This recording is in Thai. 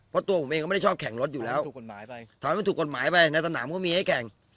เพราะตัวผมเองก็ไม่ได้ชอบแข่งรถอยู่แล้วถูกกฎหมายไปทำให้มันถูกกฎหมายไปในสนามก็มีให้แข่ง